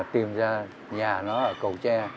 tìm ra nhà nó ở cầu tre